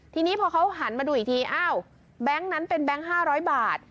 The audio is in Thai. ทีนี้พอเขาหันมาดูอีกทีอ้าวแบงค์นั้นเป็นแบงค์๕๐๐บาท